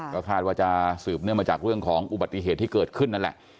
ก็คาดว่าจะสืบเนื่องมาจากเรื่องของอุบัติเหตุที่เกิดขึ้นนั่นแหละ